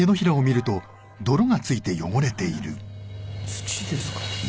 土ですか？